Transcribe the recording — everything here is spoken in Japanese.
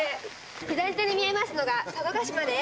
左手に見えますのが佐渡島です。